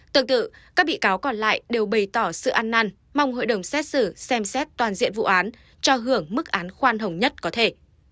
tương tự các bị cáo còn lại đều bày tỏ sự ăn năn mong hội đồng xét xử xem xét toàn diện vụ án cho hưởng mức án khoan hồng nhất có thể